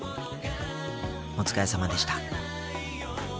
お疲れさまでした。